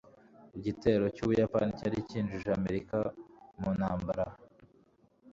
igitero cy'ubuyapani cyari cyinjije amerika mu ntambara